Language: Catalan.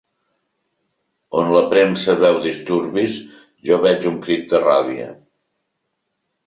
On la premsa veu disturbis, jo veig un crit de ràbia.